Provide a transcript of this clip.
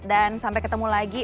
dan sampai ketemu lagi